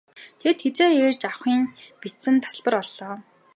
Тэгээд хэзээ ирж авахы нь бичсэн тасалбар олголоо.